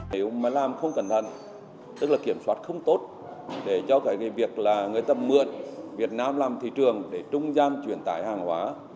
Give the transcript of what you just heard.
nếu mà làm không cẩn thận tức là kiểm soát không tốt để cho cái việc là người ta mượn việt nam làm thị trường để trung gian chuyển tải hàng hóa